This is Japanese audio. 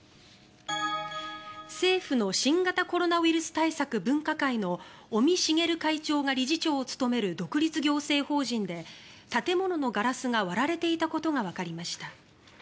政府の新型コロナウイルス対策分科会の尾身茂会長が理事長を務める独立行政法人で建物のガラスが割られていたことがわかりました。